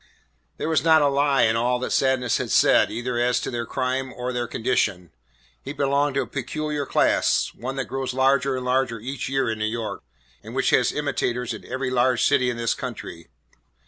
There was not a lie in all that Sadness had said either as to their crime or their condition. He belonged to a peculiar class, one that grows larger and larger each year in New York and which has imitators in every large city in this country.